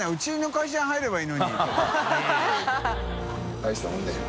たいしたもんだよ。